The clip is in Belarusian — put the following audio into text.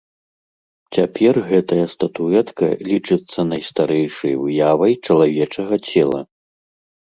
Цяпер гэтая статуэтка лічыцца найстарэйшай выявай чалавечага цела.